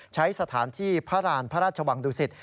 ใช้สถานที่พระราณพระราชวังดุสิต